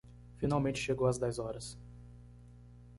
Finalmente chegou às dez horas